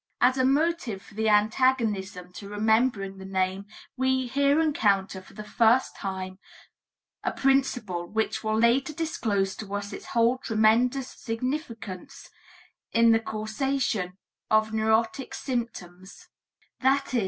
As a motive for the antagonism to remembering the name, we here encounter for the first time a principle which will later disclose to us its whole tremendous significance in the causation of neurotic symptoms, viz.